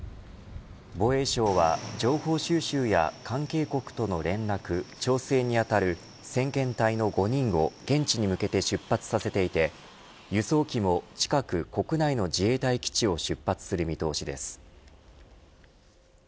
防衛省は情報収集や関係国との連絡、調整に当たる先遣隊の５人を現地に向けて出発させていて輸送機も近く国内の自衛隊基地を出発する見通しです。